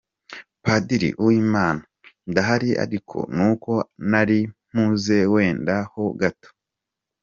Padiri Uwimana: Ndahari ariko nuko nari mpuze wenda ho gato.